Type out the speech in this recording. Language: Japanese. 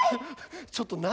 ちょっと何？